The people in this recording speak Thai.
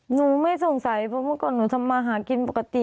หนูไม่สงสัยเพราะเมื่อก่อนหนูทำมาหากินปกติ